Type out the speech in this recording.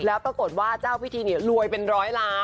แล้วปรากฏว่าเจ้าพิธีเนี่ยรวยเป็นร้อยล้าน